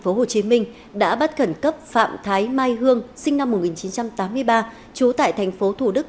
phố hồ chí minh đã bắt khẩn cấp phạm thái mai hương sinh năm một nghìn chín trăm tám mươi ba trú tại thành phố thủ đức